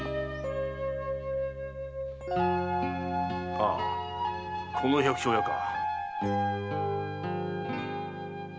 ああこの百姓家か。